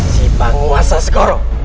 si penguasa sogoro